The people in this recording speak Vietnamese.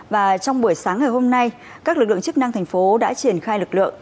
và trong buổi sáng ngày hôm nay các lực lượng chức năng thành phố đã triển khai lực lượng